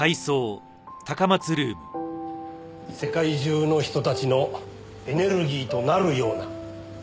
世界中の人たちのエネルギーとなるような。